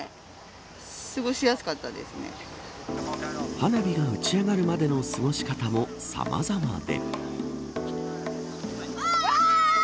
花火が打ち上がるまでの過ごし方もさまざまで。